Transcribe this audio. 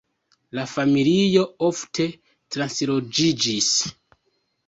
La familio ofte transloĝiĝis.